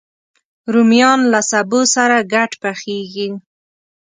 رومیان له سبو سره ګډ پخېږي